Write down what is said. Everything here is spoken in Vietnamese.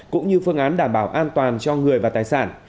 cũng như phương án đảm bảo an toàn cho người và tài sản